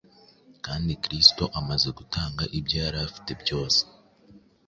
kandi Kristo amaze gutanga ibyo yari afite byose,